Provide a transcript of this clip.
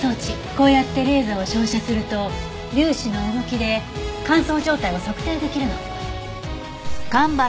こうやってレーザーを照射すると粒子の動きで乾燥状態を測定できるの。